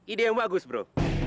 ide yang bagus bro